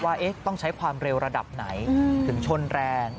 ว่าต้องใช้ความเร็วระดับไหนถึงชนแรง